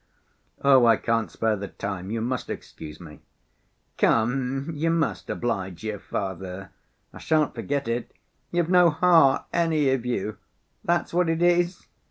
"Oh, I can't spare the time. You must excuse me." "Come, you might oblige your father. I shan't forget it. You've no heart, any of you—that's what it is?